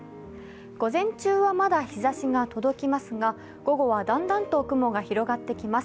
午前中はまだ日ざしが届きますが、午後はだんだんと雲が広がってきます。